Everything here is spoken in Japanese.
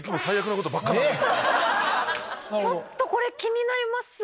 ちょっとこれ気になりますが。